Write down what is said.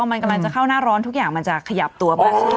ว้ายลืมเนาะที่บ้านเท่าไหร่แล้ว